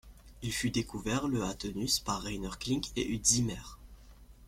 Il fut découvert le à Taunus par Rainer Kling et Ute Zimmer.